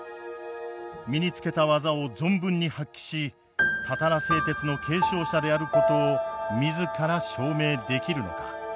身につけた技を存分に発揮したたら製鉄の継承者であることを自ら証明できるのか。